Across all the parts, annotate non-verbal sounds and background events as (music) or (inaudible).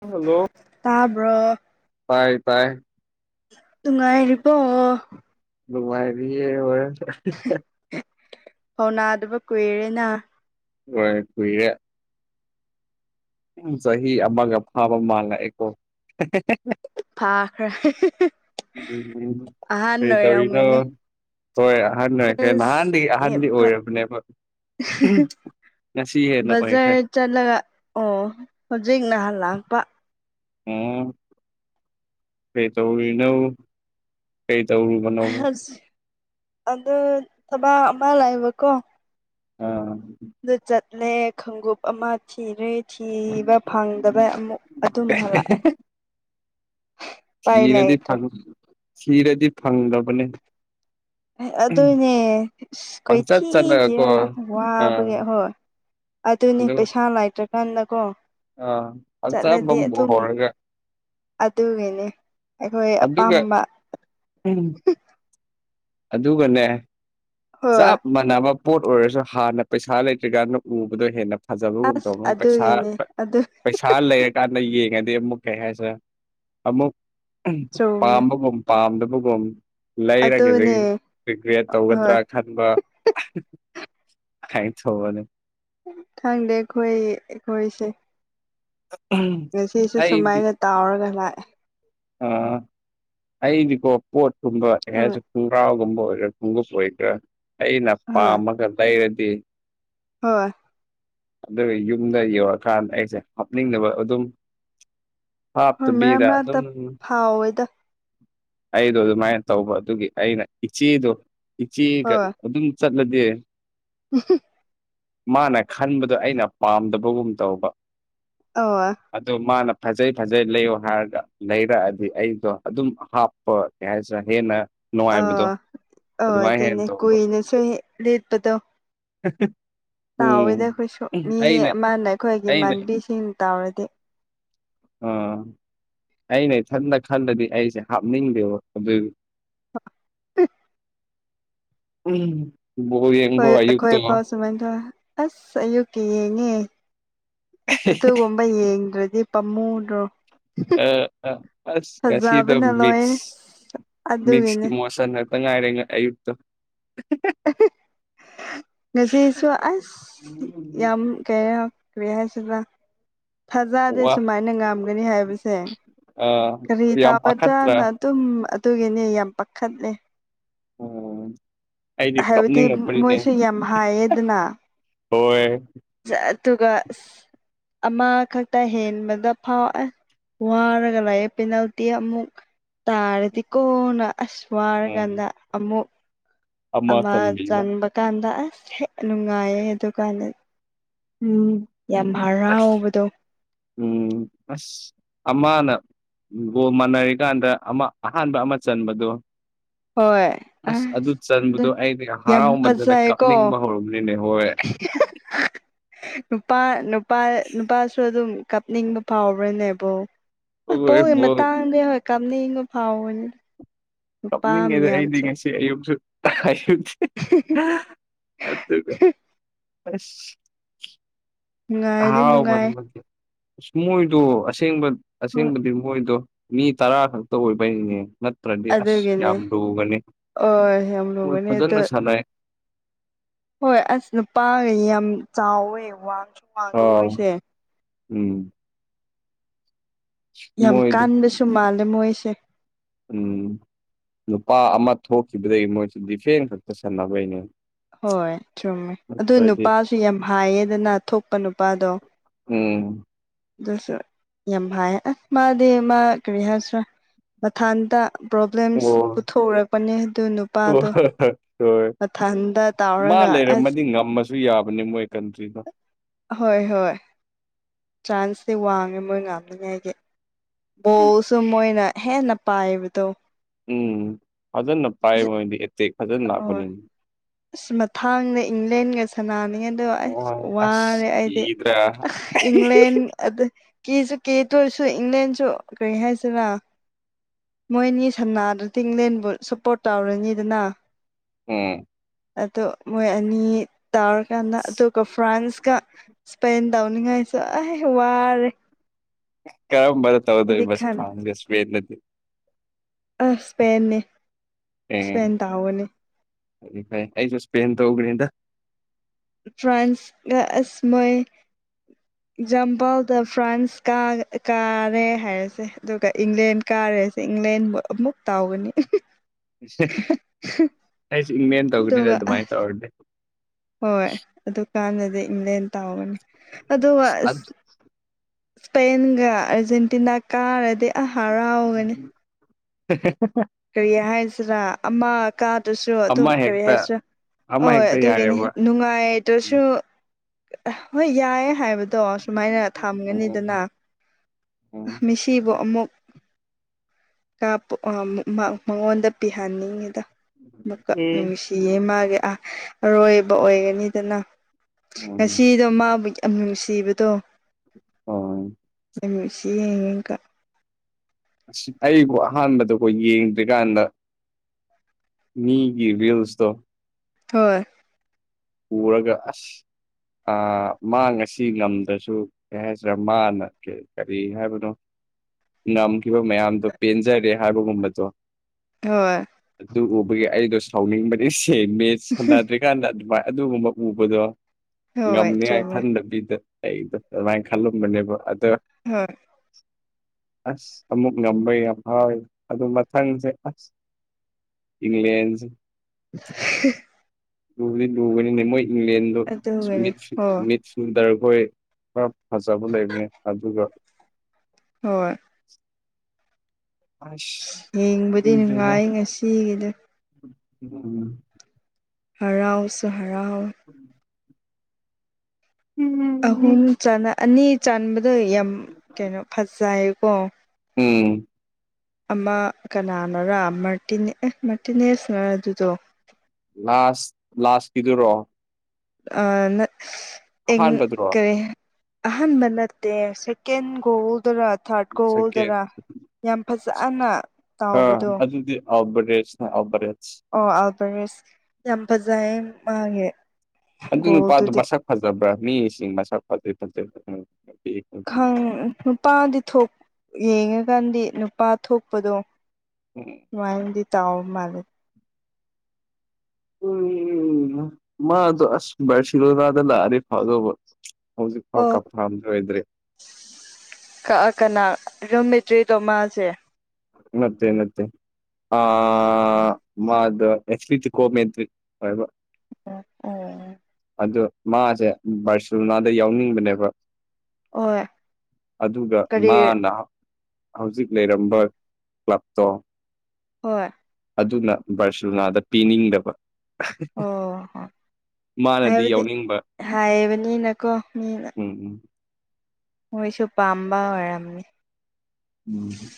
hello ꯇꯥꯕ꯭ꯔꯣ ꯇꯥꯏ ꯇꯥꯏ ꯅꯨꯡꯉꯥꯏꯔꯤꯕꯣ ꯃꯥꯏꯕꯤ ꯍꯔꯦꯟ ꯆ ꯀꯧꯅꯥꯗꯨꯕꯨ ꯀꯨꯏꯔꯦꯅ ꯂꯣꯏꯔꯦ ꯀꯨꯏꯔꯦ ꯏꯉꯥꯡ ꯃꯆꯥꯒꯤ ꯑꯃꯃꯒꯥ ꯐꯥꯕ ꯃꯥꯥꯜꯂꯛꯑꯩꯀꯣ ꯐꯥꯈ꯭ꯔꯦ ꯑꯍꯥꯟ ꯀꯔꯤ ꯇꯧꯔꯤꯅꯣ ꯑꯣꯏꯔꯝꯒꯅꯤ ꯍꯣꯏ ꯑꯍꯟ ꯑꯣꯏꯈꯦ ꯑꯁ ꯅꯍꯥꯟꯗꯥꯒꯤ ꯑꯦ ꯑꯍꯟꯗꯤ ꯑꯣꯏꯔꯕꯅꯦꯕ ꯉꯁꯤ ꯍꯦꯟꯅ ꯑꯣꯏꯈ꯭ꯔꯦ ꯆꯠꯂꯒꯥ ꯑꯣ ꯍꯧꯖꯤꯛ ꯅꯍꯥꯟ ꯂꯥꯛꯄ ꯎꯝ ꯀꯩ ꯇꯧꯔꯨꯔꯤꯅꯣ ꯀꯩ ꯇꯧꯔꯨꯕꯅꯣ ꯑꯗꯨ ꯊꯕꯛ ꯑꯃ ꯂꯥꯛꯑꯦꯕꯀꯣ ꯑꯥ ꯑꯗꯨ ꯆꯠꯂꯦ ꯈꯣꯡꯎꯞ ꯑꯃ ꯊꯤꯔꯦ ꯊꯤꯕ ꯐꯪꯗꯕ ꯑꯃꯨꯛ ꯑꯗꯨꯝ ꯍꯜꯂꯛꯑꯦ ꯎꯄꯥꯏ ꯊꯤꯔꯗꯤ ꯂꯩꯇ꯭ꯔꯦ ꯊꯤꯔꯗꯤ ꯐꯪꯗꯕꯅꯦ ꯑꯗꯨꯅꯦ ꯄꯪꯆꯠ ꯀꯣꯏꯊꯤ ꯆꯠꯂꯒꯀꯣ ꯊꯤꯔꯥ ꯑꯥ ꯋꯥꯕꯒꯦ ꯍꯣꯏ ꯑꯗꯨꯅꯦ ꯑꯗꯨ ꯄꯩꯁꯥ ꯂꯥꯏꯇ꯭ꯔꯀꯥꯟꯗꯀꯣ ꯑꯥ (unintelligible) ꯑꯗꯨꯒꯤꯅꯤ ꯑꯩꯈꯣꯏ ꯑꯗꯨꯒ ꯑꯄꯥꯝꯕ ꯎꯝ ꯑꯗꯨꯒꯥꯅꯦ ꯍꯣꯏ ꯆꯞ ꯃꯥꯟꯅꯕ ꯄꯣꯠ ꯑꯣꯏꯔꯁꯨ ꯍꯥꯟꯅ ꯄꯩꯁꯥ ꯂꯩꯇ꯭ꯔꯤꯀꯥꯟꯗ ꯎꯕꯗꯣ ꯍꯦꯟꯅ ꯐꯖꯕꯒꯨꯝ ꯑꯁ ꯇꯧꯕ ꯄꯩꯁꯥꯥ ꯑꯗꯨꯒꯤꯅꯦ ꯑꯗꯨ ꯄꯩꯁꯥ ꯁꯥꯔ ꯂꯩꯔꯀꯥꯟꯗꯥ ꯌꯦꯡꯉꯥꯗꯤ ꯑꯃꯨꯛ ꯀꯩ ꯍꯥꯏꯁꯦꯔꯥ ꯑꯃꯨꯛ ꯆꯨꯝꯃꯦ ꯄꯥꯝꯕꯒꯨꯝ ꯄꯥꯝꯗꯕꯒꯨꯝ ꯂꯩꯔꯒ ꯑꯗꯨꯅꯦ ꯔꯤꯀ꯭ꯔꯤꯌꯦꯠ ꯇꯧꯒꯗ꯭ꯔꯥ ꯍꯣꯏ ꯈꯟꯕ ꯍꯥꯏ ꯊꯧꯕꯅꯤ ꯊꯪꯗꯦ ꯑꯩꯈꯣꯏ ꯑꯩꯈꯣꯏꯁꯦ ꯉꯁꯤꯁꯨ ꯁꯨꯃꯥꯏꯅ ꯇꯥꯎꯔꯒꯥ ꯂꯥꯛꯑꯦ ꯑꯥ ꯑꯩꯗꯤꯀꯣ ꯄꯣꯠꯀꯨꯝꯕ ꯀꯩ ꯎꯝ ꯍꯥꯏꯁꯤ ꯈꯨꯡꯒꯔꯥꯎꯒꯨꯝꯕ ꯑꯣꯏꯔꯝ ꯈꯣꯡꯒꯨꯞ ꯑꯣꯏꯒ꯭ꯔꯥ ꯑꯩꯅ ꯑꯥ ꯄꯥꯝꯃꯒꯥ ꯂꯩꯔꯗꯤ ꯍꯣꯏ ꯑꯗꯨꯒꯥ ꯌꯨꯝꯗ ꯌꯧꯔꯀꯥꯟꯗꯥ ꯑꯩꯁꯦ ꯍꯥꯞꯅꯤꯡꯅꯕ ꯑꯗꯨꯝ ꯍꯣꯏ ꯃꯔꯥ ꯍꯥꯞꯇꯕꯤꯗ ꯑꯗꯨꯝ ꯃꯔꯥꯛꯇꯥ ꯐꯥꯎꯋꯦꯗꯥ ꯑꯩꯗꯣ ꯑꯗꯨꯃꯥꯏꯅ ꯇꯧꯕ ꯑꯗꯨꯒꯤ ꯑꯩꯅ ꯏꯆꯦꯗꯣ ꯏꯆꯦꯒꯥ ꯑꯗꯨꯝ ꯆꯠꯂꯗꯤ ꯎꯝ ꯃꯥꯅ ꯈꯟꯕꯗꯣ ꯑꯩꯅ ꯄꯥꯝꯗꯕꯒꯨꯝ ꯇꯧꯕ ꯑꯣ ꯑꯗꯣ ꯃꯥꯅ ꯐꯖꯩ ꯐꯖꯩ ꯂꯩꯌꯣ ꯍꯥꯏꯔꯒꯥ ꯂꯩꯔꯛꯑꯗꯤ ꯑꯩꯗꯣ ꯑꯗꯨꯝ ꯍꯥꯞ ꯍꯣꯏ ꯀꯩ ꯍꯥꯏꯁꯤꯔꯥ ꯍꯦꯟꯅ ꯑ ꯅꯨꯡꯉꯥꯏꯕꯗꯣ ꯑ ꯑꯗꯨꯃꯥꯏꯅ ꯍꯦꯟꯅ ꯑꯗꯨꯅꯦ ꯇꯧꯕ ꯀꯅꯁꯨ ꯂꯦꯠꯄꯗꯣ ꯑꯦ ꯇꯥꯎꯋꯦꯗ ꯑꯩꯈꯣꯏꯁꯨ ꯃꯤ ꯑꯃꯅ ꯑꯩꯅ ꯑꯩꯈꯣꯏꯒꯤꯃꯥꯟꯕꯤꯁꯤꯡ ꯇꯥꯎꯔꯗꯤ ꯑꯥ ꯑꯩꯅ ꯏꯊꯟꯗ ꯈꯜꯂꯗꯤ ꯑꯩꯁꯦ ꯍꯥꯞꯅꯤꯡꯗꯦꯕ ꯑꯗꯨ ꯑ (unintelligible) ꯎꯝ (unintelligible) ꯍꯣꯏ ꯑꯩꯈꯣꯏ ꯑꯌꯨꯛꯇꯣ ꯑ ꯑꯐꯥꯎ ꯁꯨꯃꯟꯗꯥ ꯑꯁ ꯑꯌꯨꯛꯀꯤ ꯌꯦꯡꯉꯦ ꯑꯁ ꯑꯗꯨꯒꯨꯝꯕ ꯌꯦꯡꯗ꯭ꯔꯥꯗꯤ ꯄꯥꯝꯃꯨꯗ꯭ꯔꯣ ꯑꯥ ꯑꯥ ꯑꯁ ꯉꯁꯤꯗꯥ ꯐꯖꯕꯅ ꯃꯤꯁ ꯂꯣꯏꯔꯦ ꯃꯤꯁꯀꯤ ꯑꯗꯨꯒꯤꯅꯦ ꯃꯣꯁꯟ ꯇꯥ ꯉꯥꯏꯔꯦꯅ ꯑꯌꯨꯛꯇꯣ ꯉꯥꯁꯤꯁꯨ ꯑꯁ ꯎꯝ ꯌꯥꯝ ꯀꯩꯔ ꯀ꯭ꯔꯤ ꯍꯥꯏ ꯁꯤꯔ ꯊꯥꯖꯗꯦ ꯋꯥ ꯁꯨꯃꯥꯏꯅ ꯉꯝꯒꯅꯤ ꯍꯥꯏꯕꯁꯦ ꯑ ꯀꯔꯤ ꯌꯥꯝ ꯇꯥꯒꯗ꯭ꯔꯥꯅ ꯄꯥꯈꯠꯇ꯭ꯔꯥ ꯑꯗꯨꯨꯝ ꯑꯗꯨꯒꯤꯅꯦ ꯌꯥꯝ ꯄꯥꯈꯠꯂꯦ ꯎꯝ ꯑꯩꯗꯤ ꯍꯥꯏꯕꯗꯤ ꯀꯞꯅꯤꯡꯉꯛꯄꯅꯤꯅꯦ ꯃꯣꯏꯁꯨ ꯌꯥꯝ ꯍꯥꯏꯌꯦꯗꯅ ꯍꯣꯏ ꯑꯗꯨꯒ ꯑ ꯑꯃ ꯈꯛꯇ ꯍꯦꯟꯕꯗ ꯐꯥꯎ ꯋꯥꯔꯒ ꯂꯥꯛꯑꯦ ꯄꯦꯅꯥꯜꯇꯤ ꯑꯃꯨꯛ ꯇꯥꯔꯗꯤ ꯀꯣꯟꯅ ꯑꯁ ꯎꯝ ꯋꯥꯔꯀꯥꯟꯗ ꯑꯃꯨꯛ ꯑꯃ ꯆꯟꯕ ꯀꯥꯟꯗ ꯑꯁ ꯍꯦꯛ ꯅꯨꯡꯉꯥꯏꯌꯦ ꯑꯗꯨ ꯀꯥꯟꯗꯗꯤ ꯎꯝ ꯌꯥꯝ ꯑꯁ ꯍꯔꯥꯎꯕꯗꯣ ꯎꯝ ꯑꯁ ꯑꯃꯅ ꯒꯣ ꯃꯥꯟꯅꯔꯤꯀꯥꯟꯗ ꯑꯃ ꯑꯍꯥꯟꯕ ꯑꯃ ꯆꯟꯕꯗꯨ ꯍꯣꯏ ꯑꯁ ꯑꯗꯨ ꯑꯗꯨ ꯆꯟꯕꯗꯣ ꯑꯩꯩꯅ ꯌꯥꯝ ꯍꯔꯥꯎꯃꯟꯗꯅ ꯐꯖꯩꯀꯣ ꯀꯥꯞꯅꯤꯡꯕ ꯍꯧꯔꯒꯦ ꯅꯤꯅꯦ ꯍꯣꯏ ꯅꯨꯄꯥ ꯅꯨꯄꯥ ꯅꯨꯄꯥꯁꯨ ꯑꯗꯨꯝ ꯀꯞꯅꯤꯡꯕ ꯐꯥꯎꯕ꯭ꯔꯥꯅꯦꯕꯣ ꯑ ꯍꯣꯏ ꯄꯣꯒꯤ ꯕꯣꯜ ꯃꯇꯥꯡꯗꯤ ꯍꯣꯏ ꯀꯥꯞꯅꯤꯡꯕ ꯐꯥꯎꯕꯅꯤꯅ ꯀꯞꯅꯤꯡꯉꯦꯗ ꯑꯩꯗꯦ ꯉꯁꯤ ꯁꯤ ꯑꯌꯨꯛꯁꯨ ꯑꯌꯨꯛꯁ ꯑꯗꯨꯒ ꯑꯁ ꯅꯨꯡꯉꯥꯏꯗꯤ ꯑꯍꯥꯎꯕ ꯅꯨꯡꯉꯥꯏ ꯑꯁ ꯃꯣꯏꯗꯣ ꯑꯁꯦꯡꯕ ꯍꯣꯏ ꯑꯁꯦꯡꯕꯗꯤ ꯃꯣꯏꯗꯣ ꯃꯤ ꯇꯔꯥ ꯈꯛꯇ ꯑꯣꯏꯕꯩꯅꯦ ꯅꯠꯇ꯭ꯔꯗꯤ ꯑꯁ ꯑꯗꯨꯒꯤꯅꯦ ꯌꯥꯝ ꯂꯨꯒꯅꯤ ꯍꯣꯏ ꯌꯥꯝ ꯃꯣꯏ ꯂꯨꯕꯅꯦ ꯐꯖꯅ ꯑꯗꯣ ꯁꯥꯟꯅꯩ ꯍꯣꯏ ꯑꯁ ꯅꯨꯄꯥꯒ ꯌꯥꯝ ꯆꯥꯎꯋꯦ ꯋꯥꯉꯦ ꯑꯩ ꯎꯝ ꯌꯥꯝ ꯃꯣꯏꯗꯣ ꯀꯥꯟꯕꯁꯨ ꯃꯥꯜꯂꯦ ꯃꯣꯏꯁꯦ ꯎꯝ ꯂꯨꯄꯥ ꯑꯃ ꯊꯣꯛꯈꯤꯕꯗꯒꯤ ꯃꯣꯏꯁ ꯗꯤꯐꯦꯟ ꯈꯛꯇ ꯁꯟꯅꯅꯕꯩꯅꯦ ꯍꯣꯏ ꯆꯨꯝꯃꯦ ꯑꯗꯨ ꯅꯨꯄꯥꯁꯨ ꯌꯥꯝ ꯍꯥꯏꯌꯦꯗꯅ ꯊꯣꯛꯄ ꯅꯨꯄꯥꯗꯣ ꯎꯝ ꯑꯗꯨꯁꯨ ꯌꯥꯝ ꯍꯥꯏꯌꯦ ꯑꯁ ꯃꯥꯗꯤ ꯃꯥ ꯀꯔꯤ ꯍꯥꯏꯔꯁꯨ ꯃꯊꯥꯟꯇ ꯄ꯭ꯔꯣꯕ꯭ꯂꯦꯝꯁ ꯑꯣ ꯄꯨꯊꯣꯛꯎꯔꯛꯄꯅꯦ ꯑꯗꯨ ꯑꯣ ꯅꯨꯄꯥꯗꯣ ꯍꯣꯏ ꯃꯊ ꯃꯥ ꯂꯩꯔꯝꯃꯗꯤ ꯉꯝꯃꯁꯨ ꯌꯥꯕꯅꯤ ꯃꯣꯏ ꯀꯟꯇ꯭ꯔꯤꯗꯣ ꯍꯣꯏ ꯍꯣꯏ ꯆꯥꯟꯁꯇꯦ ꯋꯥꯡꯉꯦ ꯃꯣꯏ ꯉꯥꯅꯤꯉꯥꯏꯒꯤ ꯕꯣꯜꯁꯨ ꯃꯣꯏꯅ ꯍꯦꯟꯅ ꯄꯥꯏꯕꯗꯣ ꯎꯝ ꯐꯖꯅ ꯄꯥꯏ ꯃꯣꯏꯗꯤ ꯑꯦꯇꯩꯦꯛ ꯐꯖꯅ ꯍꯣꯏ ꯂꯥꯛꯄꯅꯤ ꯑꯁ ꯃꯊꯥꯡꯗ ꯏꯪꯂꯦꯟꯒ ꯁꯥꯟꯅꯅꯤꯡꯉꯦꯗꯣ ꯑꯁ ꯍꯣꯏ ꯑꯁ ꯋꯥꯔꯦ ꯑꯩꯗꯤ ꯀꯤꯗ꯭ꯔꯥ ꯑ ꯏꯪꯂꯦꯟ ꯑꯗ ꯀꯦꯁꯨ ꯀꯦ ꯇꯑꯣꯏꯔꯁꯨ ꯏꯪꯂꯦꯟꯁꯨ ꯀꯩ ꯍꯥꯏꯁꯤꯔ ꯃꯣꯏꯅꯤ ꯁꯅꯥꯗ ꯇꯤꯡꯂꯦꯟꯕꯨ ꯁꯞꯄꯣꯔꯠ ꯇꯧꯔꯅꯤꯗꯅ ꯎꯝ ꯑꯗꯣ ꯃꯣꯏ ꯑꯅꯤ ꯇꯥꯔꯀꯥꯟꯗ ꯑꯗꯨ ꯐ꯭ꯔꯥꯟꯁ ꯀ ꯁꯄꯦꯟꯟ ꯇꯧꯅꯤꯡꯉꯥꯏꯁꯨ ꯑꯍ ꯋꯥꯔꯦ ꯀꯔꯝꯕꯔ ꯇ ꯍꯥꯏꯗꯤ ꯇꯧꯗꯣꯕ (unintelligible) ꯈꯟ ꯁꯐꯦꯁꯗꯤ ꯑꯁ ꯁꯄꯟꯅꯅꯤ ꯑꯦ ꯐꯗꯤ ꯐꯩ ꯑꯩꯁꯨ ꯁ꯭ꯄꯦꯟ ꯇ ꯎꯈ꯭ꯔꯔꯤꯗ ꯐ꯭ꯔꯥꯟꯁꯀ ꯑꯁ ꯃꯣꯏ (inaudible) ꯑꯦꯛꯖꯥꯝꯄꯜꯗ ꯐ꯭ꯔꯥꯟꯁ ꯀꯥꯔꯦ ꯍꯥꯏꯔꯁꯦ ꯑꯗꯨꯒ ꯏꯪꯂꯦꯟ ꯀꯥꯔꯦꯁꯦ ꯏꯪꯂꯦꯟꯕꯨ ꯑꯃꯨꯛ ꯇꯥꯎꯒꯅꯤ ꯑꯩꯁ ꯏꯪꯃꯦꯟ ꯇꯧꯒꯅꯤꯗ ꯑꯗꯨꯒ ꯑꯗꯨꯃꯥꯏꯅ ꯑꯁ ꯇꯧꯔꯅꯦ ꯍꯣꯏ ꯑꯗꯨꯀꯥꯟꯗꯗꯤ ꯏꯪꯂꯦꯟ ꯇꯥꯎꯒꯅꯤ ꯑꯗꯨꯒ ꯑꯁ ꯏꯁꯄꯦꯟꯒ ꯑꯥꯔꯖꯦꯟꯇꯤꯅꯥ ꯀꯥꯔꯗꯤ ꯑ ꯍꯔꯥꯎꯒꯅꯤ (unintelligible) ꯀꯔꯤ ꯍꯥꯏꯖꯔꯥ ꯑꯃ ꯀꯥꯗꯨꯁꯨ ꯑꯗꯨꯝ ꯑꯃ ꯀꯔꯤ ꯍꯦꯛꯇ ꯍꯥꯏꯁꯤꯔꯥ ꯑꯃ ꯑꯣꯏ ꯍꯦꯛꯇ ꯑꯗꯨꯒꯤꯅꯤ ꯌꯥꯔꯦꯕ ꯅꯨꯡꯉꯥꯏ ꯇꯁꯨ ꯎꯝ ꯍꯣꯏ ꯌꯥꯏ ꯍꯥꯏꯕ ꯇꯣ ꯑꯥꯁꯨꯃꯥꯏꯅ ꯊꯝꯒꯅꯤꯗꯅ ꯎꯝ ꯁꯤꯕꯨ ꯑꯃꯨꯛ ꯀꯥ ꯃꯉꯣꯟꯗ ꯄꯤꯍꯟꯅꯤꯡꯉꯤꯗ ꯑꯃꯨꯛꯀꯛ ꯅꯨꯡꯁꯤꯌꯦ ꯃꯥꯒꯤ ꯑ ꯑꯔꯣꯏꯕ ꯑꯣꯏꯒꯅꯤꯗꯅ ꯉꯁꯤꯗꯣ ꯃꯥꯕꯨ ꯌꯥꯝ ꯅꯨꯡꯁꯤꯕꯗꯣ (unintelligible) ꯁꯤ ꯌꯦꯡꯉꯦ ꯀ (unintelligible) ꯑꯩꯕꯨ ꯑꯍꯥꯟꯕꯗꯀꯣ ꯌꯦꯡꯗ꯭ꯔꯤꯀꯥꯟꯗ ꯃꯤꯒꯤ ꯔꯤꯁꯇꯣ ꯍꯣꯏ ꯄꯨꯔꯒ ꯑꯁ ꯃꯥ ꯉꯁꯤ ꯉꯝꯗ꯭ꯔꯁꯨ ꯀꯩꯍꯥꯏꯁꯤꯔꯥ ꯃꯥꯅ (unintelligible) ꯀꯔꯤ ꯍꯥꯏꯕꯅꯣ ꯉꯝꯈꯤꯕ ꯃꯌꯥꯝꯗꯣ ꯄꯦꯟꯖꯔꯦ ꯍꯥꯏꯕꯒꯨꯝꯕꯗꯣ ꯍꯣꯏ ꯑꯗꯨ ꯎꯕꯒꯤ ꯑꯩꯗꯣ ꯁꯥꯎꯅꯤꯡꯕꯗꯤ ꯁꯦ ꯃꯦꯠ ꯁꯥꯟꯅꯗ꯭ꯔꯤꯀꯥꯟꯗ ꯑꯗꯨꯃꯥꯏ ꯑꯗꯨꯒꯨꯝꯕ ꯎꯕꯗꯣ ꯍꯣꯏ ꯉꯝꯅꯤꯉꯥꯏ ꯆꯨꯝꯃꯦ ꯈꯟꯗꯕꯤꯗ ꯑꯩꯗ ꯑꯗꯨꯃꯥꯏ ꯈꯜꯂꯝꯕꯅꯦꯕ ꯑꯗ ꯍꯣꯏ ꯑꯁ ꯑꯃꯨꯛ ꯉꯝꯕ ꯌꯥꯝ ꯍꯥꯎꯋꯦ ꯑꯗꯨ ꯃꯊꯪꯁꯦ ꯑꯁ ꯏꯪꯂꯦꯟꯁ (inaudible) ꯂꯨꯕꯗꯤ ꯂꯨꯕꯅꯤꯅꯦ ꯃꯣꯏ ꯏꯪꯂꯦꯟꯗꯣ ꯑꯗꯨꯒꯅꯦ ꯍꯣꯏ (unintelligible) ꯇꯨꯟ ꯇꯔꯈꯣꯏ ꯈꯔ ꯐꯖꯕ ꯂꯩꯕꯅꯦ ꯑꯗꯨꯒ ꯍꯣꯏ ꯑꯁ ꯌꯦꯡꯕꯗꯤ ꯈꯪꯗ꯭ꯔꯦꯗ ꯅꯨꯡꯉꯥꯏ ꯉꯁꯤꯒꯤꯗ ꯎꯝ ꯍꯔꯥꯎꯁꯨ ꯍꯔꯥꯎ (inaudible) ꯑꯍꯨꯝ ꯆꯟ ꯑꯅꯤ ꯆꯟꯕꯗꯣ ꯌꯥꯝ ꯀꯩꯅꯣ ꯐꯖꯩꯌꯦꯀꯣ ꯎꯝ ꯑꯃ ꯀꯅꯥꯅꯔ ꯃꯥꯔꯇꯤꯟ ꯑꯦ ꯃꯥꯔꯇꯤꯟ ꯑ‌ꯦꯁꯅ ꯑꯗꯨꯗꯣ ꯂꯥꯁ ꯂꯥꯁ ꯀꯤꯗꯨꯔꯣ ꯑ ꯅꯠ ꯑꯦꯡ ꯑꯍꯥꯟꯕꯗꯨꯔꯣ ꯀꯔꯤ ꯑꯍꯟꯕ ꯅꯠꯇꯦ ꯁꯦꯀꯦꯟ ꯒꯣꯜꯗꯔ ꯊꯥꯔꯠ ꯁꯦꯀꯦꯟ ꯒꯣꯜꯗꯔ ꯌꯥꯝ ꯐꯖꯅ ꯑ ꯇꯥꯎꯕꯗꯣ ꯑꯗꯨꯗꯤ ꯑꯣꯕꯔꯦꯁ ꯅ‌ꯦ ꯑꯣꯕꯔꯦꯁ ꯑꯣ ꯑꯜꯕꯔ‌ꯦꯁ ꯌꯥꯝ ꯐꯖꯩꯌ‌ꯦ ꯃꯥꯒꯤ ꯑꯗꯨ ꯅꯨꯄꯥꯗꯨ ꯒꯣꯜꯗꯨꯗꯤ ꯃꯁꯛ ꯐꯖꯕ꯭ꯔꯥ ꯃꯤꯁꯤꯡꯅ ꯃꯁꯛ ꯐꯖꯩ ꯐꯖꯩ (unintelligible) ꯈꯪ ꯅꯨꯄꯥꯗꯤ ꯊꯣꯛ ꯌꯦꯡꯉꯀꯥꯟꯗꯤ ꯅꯨꯄꯥ ꯊꯣꯛꯄꯗꯣ (unintelligible) ꯋꯥꯥꯏꯟꯗꯤ ꯇꯥꯎ ꯃꯥꯂꯦ (unintelligible) ꯃꯗꯨ ꯑꯁ ꯃꯦꯁꯤꯒꯣ (unintelligible) ꯂꯥꯛꯑꯗꯤ ꯐꯥꯗꯣꯕ ꯍꯧꯖꯤꯛ ꯐꯥꯎ (unintelligible) ꯀꯛꯑ ꯀꯅꯥ ꯌꯨꯝꯃꯤꯠꯇ꯭ꯔꯤꯗꯣ ꯃꯥꯁꯦ ꯃꯠꯇꯦ ꯃꯠꯇꯦ ꯑ ꯃꯥꯗꯨ (unintelligible) ꯀꯣꯃꯦꯟꯗꯔꯤ ꯍꯣꯏꯕ ꯑꯣ ꯑꯣ ꯑꯗ‌ꯣ ꯃꯥꯁꯦ ꯕꯥꯔꯁꯦꯂꯣꯅꯥꯗ ꯌꯥꯎꯅꯤꯡꯕꯅꯦꯕ ꯍꯣꯏ ꯑꯗꯨꯒ ꯀꯔꯤ ꯃꯥꯅ ꯍꯧꯖꯤꯛ ꯂꯩꯔꯝꯕ ꯀꯂꯥꯞꯇꯣ ꯍꯣꯏ ꯑꯗꯨꯅ ꯕꯥꯔꯁꯦꯂꯣꯅꯥꯗ ꯄꯤꯅꯤꯡꯗꯕ ꯑꯣ ꯍ‌ꯣꯏ ꯃꯥꯅꯗꯤ ꯍꯥꯏꯕꯗꯤ ꯌꯥꯎꯅꯤꯡꯕ ꯍꯥꯏꯕꯅꯤꯅꯀꯣ ꯃꯤꯅ ꯎꯝ ꯎꯝ ꯃꯣꯏꯁꯨ ꯄꯥꯝꯕ ꯑꯣꯏꯔꯝꯅꯤ ꯎꯝ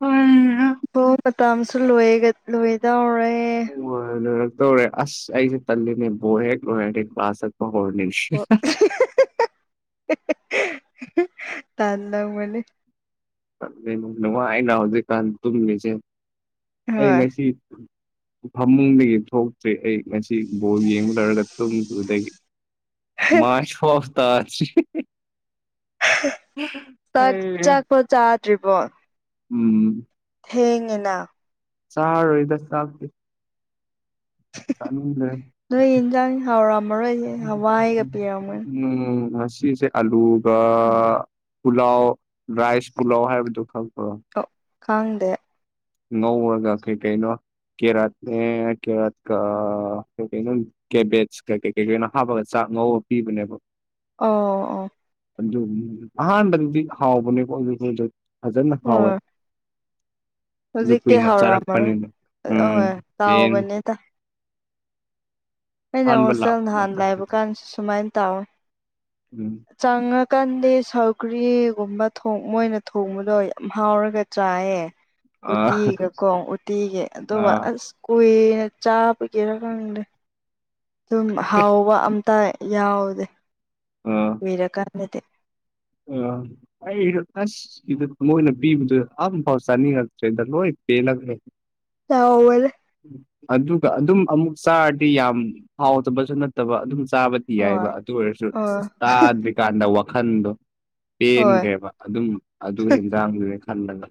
ꯍ‌ꯣꯏ ꯑꯣ ꯃꯇꯝꯁꯨ ꯂ‌ꯣꯏꯒ ꯂꯣꯏꯗꯧꯔꯦ ꯑꯣ ꯂ‌ꯣꯏꯔꯛꯇꯧꯔꯦ ꯑꯁ ꯑꯩꯁꯦ ꯇꯜꯂ‌ꯦꯅ‌ꯦ ꯕ‌ꯣꯜ ꯍ‌ꯦꯛ ꯂ‌ꯣꯏꯔꯗꯤ ꯀ꯭ꯂꯥꯁ ꯆꯠꯄ ꯍꯧꯔꯅꯤ (inaudible) ꯇꯟꯂꯝ ꯃꯅꯤ ꯅꯨꯡꯉꯥꯏꯅ ꯍꯧꯖꯤꯛꯀꯥꯟ ꯇꯨꯝꯃꯤꯁꯦ ꯑꯩ ꯍꯣꯏ ꯉꯁꯤ ꯐꯃꯨꯡꯗꯒꯤ ꯊꯣꯛꯇ꯭ꯔꯤ ꯑꯩ ꯉꯁꯤ ꯕꯣꯜ ꯌꯦꯡ ꯂ‌ꯣꯏꯔꯒ ꯇꯨꯝꯈꯤꯕꯗꯒꯤ ꯃꯥꯥꯏꯁ ꯁ‌ꯣꯏꯇ ꯆꯥꯛ ꯑꯩ ꯆꯥꯛꯐꯧ ꯆꯥꯗ꯭ꯔꯤꯕꯣ ꯎꯝ ꯊꯦꯡꯉꯤꯅ ꯆꯥꯔꯔ‌ꯣꯏꯗ ꯆꯥꯛ ꯆꯥꯅꯤꯡꯗꯔ‌ꯦꯗ ꯅꯣꯏ ꯌꯦꯟꯖꯥꯡ ꯍꯥꯎꯔꯝꯃꯔꯣꯏꯍꯦ ꯍꯋꯥꯏꯒ ꯄꯤꯔꯝꯒꯅꯤ ꯎꯝ ꯉꯁꯤ ꯗ‌ꯦꯠ ꯑꯂꯨꯒ ꯄꯨꯂꯥꯎ ꯔꯥꯏꯁ ꯄꯨꯂꯥꯎ ꯍꯥꯏꯕꯗꯨ ꯈꯪꯕꯔ‌ꯣ ꯑꯣ ꯈꯪꯗꯦ ꯉꯧꯔꯒ ꯀꯩ ꯀꯩꯅꯣ ꯀꯦꯔꯠꯅꯦ ꯀꯦꯔꯠ ꯀ ꯀꯩ ꯀꯩꯅꯣ ꯀꯦꯕꯦꯠꯁ ꯀ ꯀꯩ ꯀꯩꯅꯣ ꯍꯥꯞꯄꯒ ꯆꯥꯛ ꯉꯧꯕ ꯄꯤꯕꯅꯦꯕ ꯑꯣ ꯑꯗꯨꯒꯤ ꯑꯍꯥꯟꯕꯗꯗꯤ ꯍꯥꯎꯕꯅꯦꯀꯣ ꯑꯗꯨ ꯐꯖꯅ ꯍꯥꯎꯋꯦ ꯍꯣꯏ ꯑꯗꯨ ꯍꯧꯖꯤꯛꯇꯤ ꯀꯨꯏꯅ ꯍꯥꯎꯔꯝꯃꯔꯣꯏ ꯆꯥꯔꯛꯄꯅꯤꯅ ꯑ ꯎꯝ ꯍꯣꯏ ꯄꯦꯟ ꯇꯥꯎꯕꯅꯤꯅ ꯑꯩꯅ ꯑꯍꯥꯟꯕ ꯍꯣꯁꯦꯜ ꯂꯥꯛꯄ ꯅꯍꯥꯟ ꯂꯩꯕ ꯃꯇꯝꯗ ꯀꯥꯟꯗꯁꯨ ꯁꯨꯃꯥꯏꯅ ꯇꯧꯋꯤ ꯎꯝ ꯆꯪꯉꯀꯥꯟꯗꯤ ꯁꯧꯒꯔꯤꯒꯨꯝꯕ ꯊ‌ꯣꯡ ꯃꯣꯏꯅ ꯊꯣꯡꯕꯗꯣ ꯌꯥꯝ ꯍꯥꯎꯔꯒ ꯆꯥꯏꯌꯦ ꯑ ꯎꯇꯤꯒꯀꯣ ꯎꯇꯤꯒ ꯑ ꯑꯗꯨꯒ ꯑꯁ ꯀꯨꯏꯅ ꯆꯥꯕꯒꯤꯔ ꯈꯪꯗꯦ ꯑꯗꯨꯝ ꯍꯥꯎꯕ ꯑꯝꯇꯥꯏ ꯌꯥꯎꯗꯦ ꯀꯨꯏꯔꯀꯥꯟꯗꯗꯤ ꯑꯥ ꯑꯩꯁꯨ ꯑꯁ ꯁꯤꯗ ꯃꯣꯏꯅ ꯄꯤꯕꯗꯨ ꯑꯝ ꯄꯥꯎ ꯆꯥꯅꯤꯉꯛꯇ꯭ꯔꯦꯗ ꯂꯣꯏ ꯕꯦꯟꯂꯛꯕꯒꯤ (inaudible) ꯑꯗꯨꯒ ꯑꯗꯨꯝ ꯑꯃꯨꯛ ꯆꯥꯔꯗꯤ ꯌꯥꯝ ꯍꯥꯎꯗꯕꯁꯨ ꯅꯠꯇꯕ ꯑꯗꯨꯝ ꯆꯥꯕꯗꯤ ꯌꯥꯏꯕ ꯍꯣꯏ ꯑꯗꯨ ꯑꯣꯏꯔꯁꯨ ꯑꯣ ꯇꯥꯗ꯭ꯔꯤꯀꯥꯟꯗ ꯋꯥꯈꯟꯗꯣ ꯍꯣꯏ ꯄꯦꯟꯈ꯭ꯔꯦꯕ ꯑꯗꯨꯝ ꯑꯗꯨ ꯍꯦꯟꯖꯥꯡꯗꯨꯒꯤ ꯈꯟꯕꯗ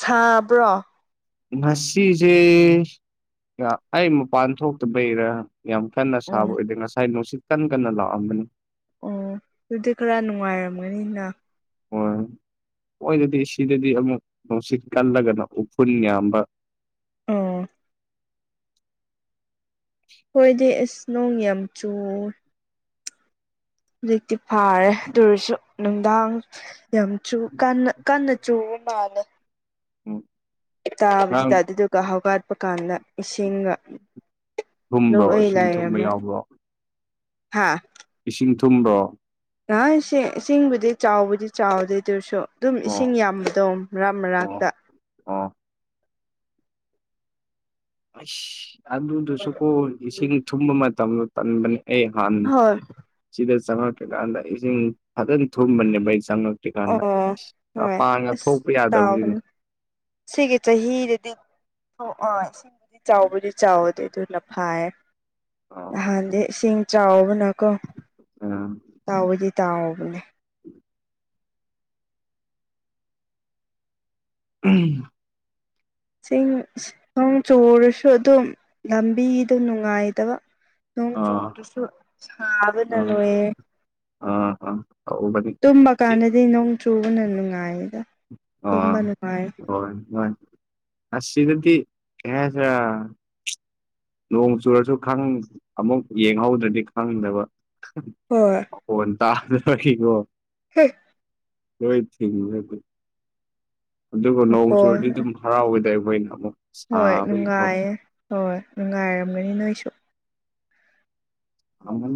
ꯁꯥꯕ꯭ꯔꯣ ꯉꯁꯤꯁꯦ ꯑ ꯑꯩ ꯃꯄꯥꯟ ꯊꯣꯛꯇꯕꯩꯔꯥ ꯌꯥꯝ ꯀꯟꯅ ꯁꯥꯕ ꯑꯣ ꯑꯣꯏꯗꯦ ꯉꯁꯥꯏ ꯅꯨꯡꯁꯤꯠ ꯀꯟꯅ ꯀꯟꯅ ꯂꯥꯛꯑꯝꯕꯅꯤ ꯑꯣ ꯑꯗꯨꯗꯤ ꯈꯔ ꯅꯨꯡꯉꯥꯏꯔꯝꯒꯅꯤꯅ ꯍꯣꯏ ꯃꯣꯏꯗꯗꯤ ꯁꯤꯗꯗꯤ ꯑꯃꯨꯛ ꯅꯨꯡꯁꯤꯠ ꯀꯜꯂꯒꯅ ꯎꯐꯨꯜ ꯌꯥꯝꯕ ꯑꯣ ꯍꯣꯏꯗꯤ ꯑꯁ ꯅꯣꯡ ꯌꯥꯝ ꯆꯨ ꯍꯧꯖꯤꯛꯇꯤ ꯐꯥꯔꯦ ꯑꯗꯨ ꯑꯣꯢꯔꯁꯨ ꯅꯨꯡꯗꯥꯡ ꯌꯥꯝ ꯆꯨ ꯀꯟꯅ ꯀꯟꯅ ꯆꯨꯕ ꯃꯥꯜꯂꯦ ꯎꯝ ꯇꯥꯕꯁꯤ ꯇ ꯉꯔꯥꯡ ꯑꯗꯨꯗꯨꯒ ꯍꯧꯒꯠꯄ ꯀꯥꯟꯗ ꯏꯁꯤꯡꯒ ꯑꯗꯨ ꯊꯨꯝꯕ꯭ꯔꯣ ꯑꯩ ꯏꯁꯤꯡ ꯊꯨꯝꯕ ꯂꯩꯔꯝꯃꯦ ꯌꯥꯎꯕ꯭ꯔꯣ ꯍꯥꯥ ꯏꯁꯤꯡ ꯊꯨꯝꯕ꯭ꯔꯣ ꯏꯁꯤꯡꯕꯨꯗꯤ ꯆꯥꯎꯕꯨꯗꯤ ꯆꯥꯎꯗꯦ ꯑꯗꯨ ꯑꯣꯏꯔꯁꯨ ꯑꯗꯨꯝ ꯑꯣ ꯏꯁꯤꯡ ꯌꯥꯝꯕꯗꯣ ꯃꯔꯛ ꯑꯣ ꯃꯔꯥꯛꯇ ꯑꯣ ꯑꯁ ꯑꯗꯨꯗꯨꯁꯨꯀꯣ ꯏꯁꯤꯡ ꯊꯨꯝꯕ ꯃꯇꯝꯗꯣ ꯇꯟꯕꯅꯦ ꯑꯩ ꯍꯥꯟ ꯍꯣꯏ ꯁꯤꯗ ꯆꯪꯉꯛꯛꯇ꯭ꯔꯀꯥꯟꯗ ꯏꯁꯤꯡ ꯐꯖꯅ ꯊꯨꯝꯕꯅꯦꯕ ꯑꯩ ꯆꯪꯉꯦ ꯍꯧꯖꯤꯛꯀꯥꯟꯗ ꯑꯣ ꯍꯣꯏ ꯃꯄꯥꯡꯒ ꯑꯁ ꯊꯣꯛꯄ ꯌꯥꯗꯕꯗꯨꯅꯤ ꯇꯥꯎꯕꯅꯤ ꯁꯤꯒꯤ ꯆꯍꯤꯗꯗꯤ ꯑꯥ ꯏꯁꯤꯡꯕꯨꯗꯤ ꯆꯥꯎꯕꯨꯗꯤ ꯆꯥꯎꯗꯦ ꯑꯗꯨ ꯁꯥꯢ ꯑꯣ ꯍꯥꯟꯗꯤ ꯏꯁꯤꯡ ꯆꯥꯎꯕꯅꯀꯣ ꯇꯥꯎꯕꯗꯤ ꯇꯥꯎꯕꯅꯦ ꯎꯝ (inaudible) ꯎꯝ ꯆꯤꯡ ꯆꯨꯔꯁꯨ ꯑꯗꯨꯝ ꯂꯝꯕꯤꯗꯨ ꯅꯨꯡꯉꯥꯏꯇꯕ ꯅꯣꯡ ꯑꯥ ꯆꯨꯕꯗꯨꯁꯨ ꯁꯥꯕꯅ ꯑꯥ ꯂꯣꯏꯌꯦ ꯑꯥ ꯑꯥ ꯍꯥ ꯇꯧꯕꯅꯤ ꯇꯨꯝꯕ ꯆꯦ ꯀꯥꯟꯗꯗꯤ ꯅꯣꯡ ꯆꯨꯕꯅ ꯅꯨꯡꯉꯥꯏꯌꯦꯗ ꯑꯣ ꯇꯨꯝꯕ ꯅꯨꯡꯉꯥꯏ ꯍꯣꯏ ꯍꯣꯏ ꯑꯁꯤꯗꯗꯤ ꯀꯔꯤ ꯍꯥꯏꯁꯤꯔ ꯅꯣꯡ ꯆꯨꯔꯁꯨ ꯈꯪ ꯑꯃꯨꯛ ꯌꯦꯡꯍꯧꯗ꯭ꯔꯗꯤ ꯈꯪꯗꯕ ꯍꯣꯏ ꯐꯣꯟ ꯇꯥꯗꯕꯒꯤꯀꯣ ꯍꯦ ꯂꯣꯏ ꯊꯤꯡꯉꯗꯤ ꯑꯗꯨꯒ ꯅꯣꯡ ꯃꯈꯣꯟ ꯆꯨꯔꯗꯤ ꯑꯗꯨꯝ ꯍꯔꯥꯎꯗꯨꯢꯅꯦ ꯑꯩꯈꯣꯏꯅ ꯑꯃꯨꯛ ꯍꯣꯏ ꯁꯥꯕꯒꯤꯀꯣ ꯅꯨꯡꯉꯥꯏꯌꯦ ꯍꯣꯏ ꯅꯨꯡꯉꯥꯏꯔꯝꯒꯅꯤ ꯅꯣꯏꯁꯨ ꯑ (inaudible)